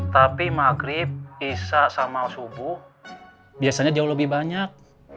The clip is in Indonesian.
tapi maghrib isa sama subuh biasanya jauh lebih banyak